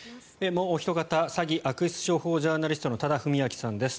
もうおひと方詐欺・悪質商法ジャーナリストの多田文明さんです。